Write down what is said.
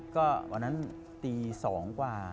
ก็วันนั้นตี๒กว่า